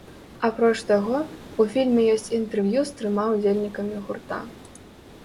Апроч таго, у фільме ёсць інтэрв'ю з трыма ўдзельнікамі гурта.